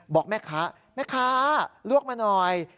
บอกแม่ค้าแม่ค้าลวกมาหน่อย